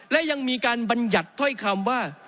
และยังมีการบรรยัติถ้อยคำว่า